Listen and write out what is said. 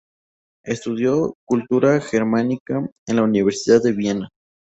Estudió Cultura Germánica en la universidad de Viena.